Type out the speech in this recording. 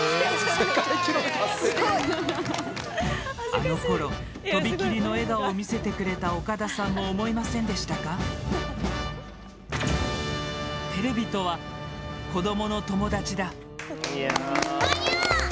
あのころ、とびきりの笑顔を見せてくれた岡田さんも思いませんでしたか？はにゃ！